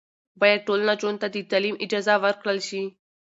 باید ټولو نجونو ته د تعلیم اجازه ورکړل شي.